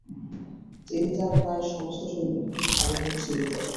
তিনি তার প্রায় সমস্ত সৈন্যকে খুব ভালোভাবে চিনতেন।